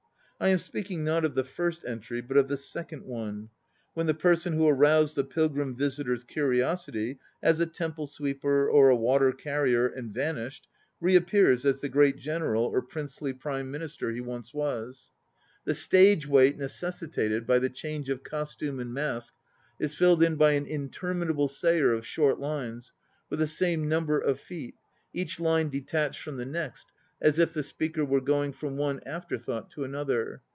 I am speaking, not of the first entry, but of the second one, when the person who aroused the pilgrim visitor's curiosity as a temple sweeper or a water carrier, and vanished, reappears as the great General or princely Prime APPENDIX I 269 Minister he once was. The stage wait necessitated by the change of costume and mask is filled in by an interminable sayer of abort lines, with the same number of feet, each line detached from the next as if the speaker were going from one afterthought to another.